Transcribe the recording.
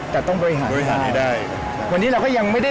แต่ต้องบริหารให้ได้วันนี้เราก็ยังไม่ได้๑๐๐